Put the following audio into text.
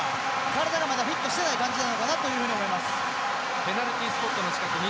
体がまだフィットしてない感じなのかなと思います。